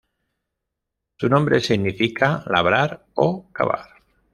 Su nombre significa labrar o cavar.